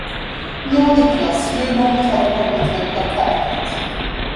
Nå, Niklas, hur långt har du kommit med plakatet.